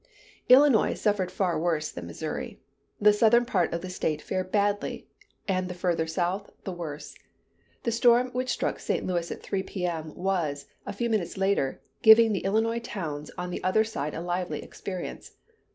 Illinois suffered far worse than Missouri. The southern part of the state fared badly; and the further south, the worse. The storm which struck St. Louis at 3 P.M., was, a few minutes later, giving the Illinois towns on the other side a lively experience.